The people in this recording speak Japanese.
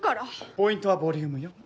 ポイントはボリュームよ。